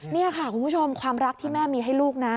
นี่ค่ะคุณผู้ชมความรักที่แม่มีให้ลูกนะ